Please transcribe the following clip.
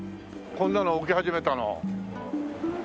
こんなの置き始めたの。